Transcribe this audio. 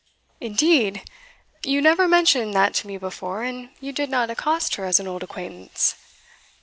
"Indeed! you never mentioned that to me before, and you did not accost her as an old acquaintance."